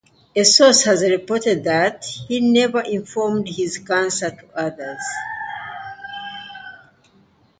A source has reported that he never informed his cancer to others.